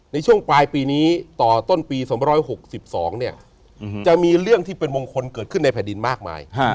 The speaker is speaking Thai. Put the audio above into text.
ในช่วงปลายปีนี้ต่อต้นปี๒๖๒เนี่ยจะมีเรื่องที่เป็นมงคลเกิดขึ้นในแผ่นดินมากมาย